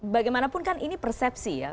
bagaimanapun kan ini persepsi ya